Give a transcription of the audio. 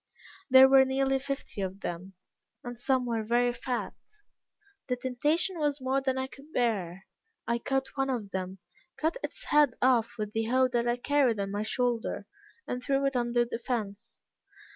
There were nearly fifty of them, and some were very fat. The temptation was more than I could bear. I caught one of them, cut its head off with the hoe that I carried on my shoulder, and threw it under the fence.